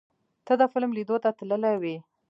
ته د فلم لیدو ته تللی وې؟